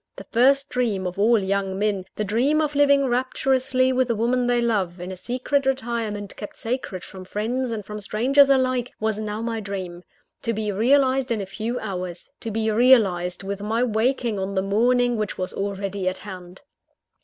The first dream of all young men the dream of living rapturously with the woman they love, in a secret retirement kept sacred from friends and from strangers alike, was now my dream; to be realised in a few hours, to be realised with my waking on the morning which was already at hand!